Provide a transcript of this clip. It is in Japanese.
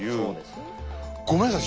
ごめんなさい